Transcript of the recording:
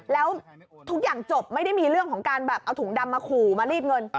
แล้วทุกอย่างจบไม่ได้มีเรื่องของการแบบเอาถุงดำมาขู่มารีดเงิน